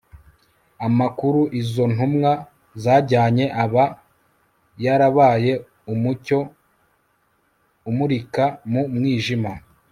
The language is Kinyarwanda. amakuru izo ntumwa zajyanye aba yarabaye umucyo umurika mu mwijima